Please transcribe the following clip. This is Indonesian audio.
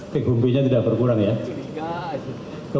kegumpinya tidak berhasil ya kan